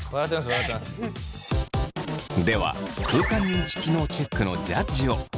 では空間認知機能チェックのジャッジを。